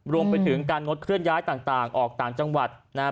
รวมไปถึงการงดเคลื่อนย้ายต่างออกต่างจังหวัดนะฮะ